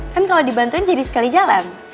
kan kalau dibantuin jadi sekali jalan